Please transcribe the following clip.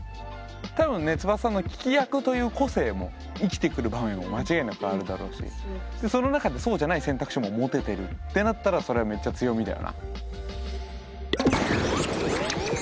多分ねつばささんの聞き役という個性も生きてくる場面も間違いなくあるだろうしその中でそうじゃない選択肢も持ててるってなったらそれはめっちゃ強みだよな。